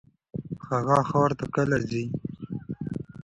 هغه ښار ته کله ځي؟